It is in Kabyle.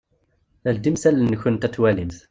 Ldimt allen-nkunt ad twalimt.